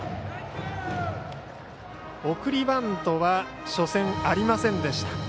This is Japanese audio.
送りバントは初戦ありませんでした。